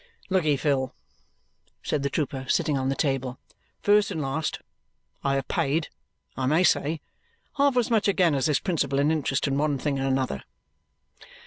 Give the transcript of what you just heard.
"Lookye, Phil," says the trooper, sitting on the table. "First and last, I have paid, I may say, half as much again as this principal in interest and one thing and another."